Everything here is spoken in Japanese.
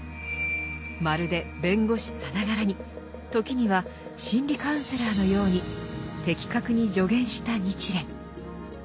まるで弁護士さながらに時には心理カウンセラーのように的確に助言した日蓮。